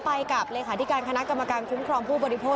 ไปกับเลขาธิการคณะกรรมการคุ้มครองผู้บริโภค